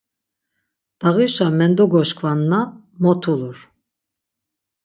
Ndağişa mendegoşkvanna mot ulur.